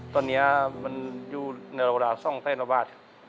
ตอนเนี้ยมันอยู่ในโรงการออกส่องแฟลนอบบาท